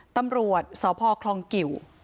ตำรวจสพคลองกิว